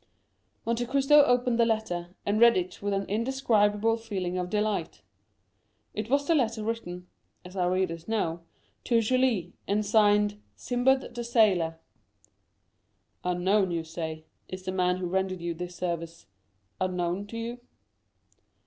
Monte Cristo opened the letter, and read it with an indescribable feeling of delight. It was the letter written (as our readers know) to Julie, and signed "Sinbad the Sailor." "Unknown you say, is the man who rendered you this service—unknown to you?"